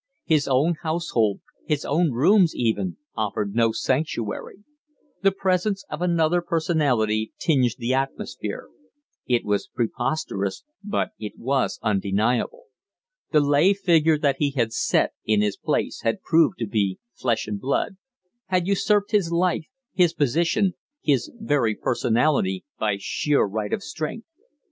His own household his own rooms, even offered no sanctuary. The presence of another personality tinged the atmosphere. It was preposterous, but it was undeniable. The lay figure that he had set in his place had proved to be flesh and blood had usurped his life, his position, his very personality, by sheer right of strength.